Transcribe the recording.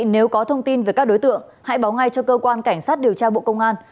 nếu có thông tin về các đối tượng hãy báo ngay cho cơ quan cảnh sát điều tra bộ công an